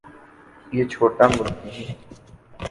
یہ چھوٹا ملک نہیں۔